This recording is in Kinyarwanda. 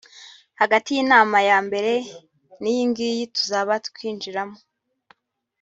hagati y’inama ya mbere n’iyingiyi tuzaba twinjiramo